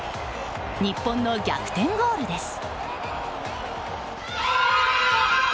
日本の逆転ゴールです。